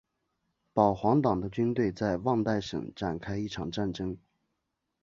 保皇党的军队在旺代省展开一场战争。